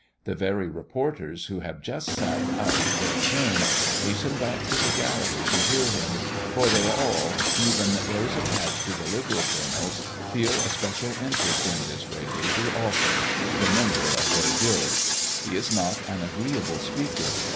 The very reporters, who have just sat out their turn, hasten back to the gallery to hear him, for they all, even those attached to the liberal journals, feel a special interest in Disraeli, the author the member of their guild. He is not an agreeable speaker.